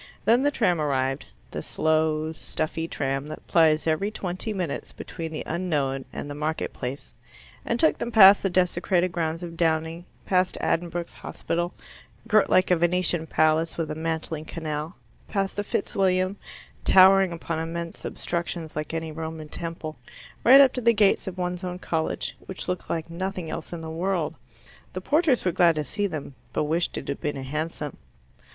Then the tram arrived the slow stuffy tram that plies every twenty minutes between the unknown and the marketplace and took them past the desecrated grounds of Downing, past Addenbrookes Hospital, girt like a Venetian palace with a mantling canal, past the Fitz William, towering upon immense substructions like any Roman temple, right up to the gates of one's own college, which looked like nothing else in the world. The porters were glad to see them, but wished it had been a hansom.